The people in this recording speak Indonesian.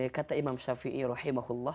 kata imam syafiei